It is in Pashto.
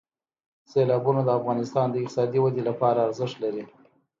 سیلابونه د افغانستان د اقتصادي ودې لپاره ارزښت لري.